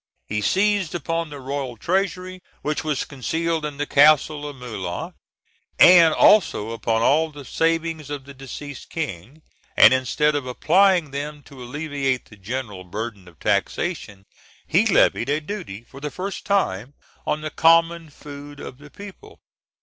He seized upon the royal treasury, which was concealed in the Castle of Melun, and also upon all the savings of the deceased king; and, instead of applying them to alleviate the general burden of taxation, he levied a duty for the first time on the common food of the people.